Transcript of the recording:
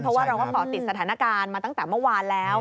เพราะว่าเราก็ก่อติดสถานการณ์มาตั้งแต่เมื่อวานแล้ว